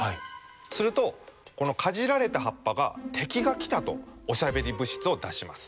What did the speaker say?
するとこのかじられた葉っぱが「敵が来た！」とおしゃべり物質を出します。